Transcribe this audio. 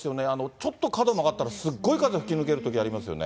ちょっと角曲がったらすごい風が吹き抜けるときありますよね。